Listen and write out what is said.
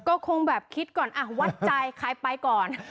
ก็คงแบบคิดก่อนวัดใจใครไปก่อน